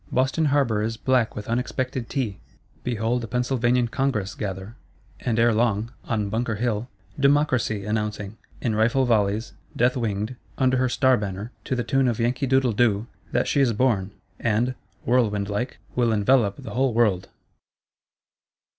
Boston Harbour is black with unexpected Tea: behold a Pennsylvanian Congress gather; and ere long, on Bunker Hill, DEMOCRACY announcing, in rifle volleys death winged, under her Star Banner, to the tune of Yankee doodle doo, that she is born, and, whirlwind like, will envelope the whole world!